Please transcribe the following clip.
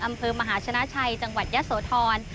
อำเภอมหาชนะชัยจังหวัดยะโสธร